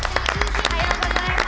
おはようございます。